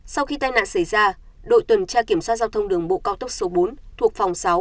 sau khi tai nạn xảy ra đội tuần tra kiểm soát giao thông đường bộ cao tốc số bốn thuộc phòng sáu